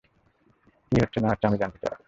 কী হচ্ছে না হচ্ছে আমি জানতে চাই।